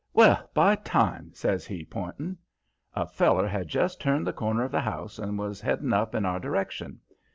"Well, by time!" says he, pointing. A feller had just turned the corner of the house and was heading up in our direction.